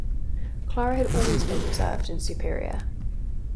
Clara had always been reserved and superior.